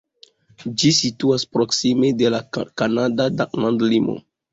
Ĝi situas proksime de la kanada landlimo.